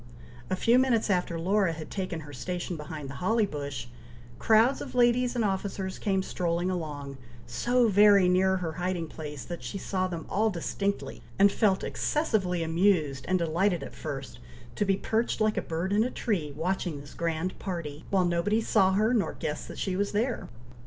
A few minutes after Laura had taken her station behind the holly bush, crowds of ladies and officers came strolling along, so very near her hiding place, that she saw them all distinctly, and felt excessively amused and delighted at first, to be perched like a bird in a tree watching this grand party, while nobody saw her, nor guessed that she was there.